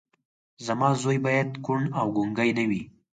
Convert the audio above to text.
زما زوی بايد کوڼ او ګونګی نه وي.